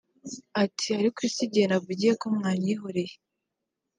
ati “Ariko se igihe navugiye ko mwanyihoreye